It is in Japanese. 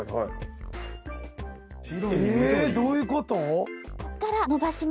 えぇどういうこと？